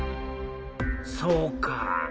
そうか。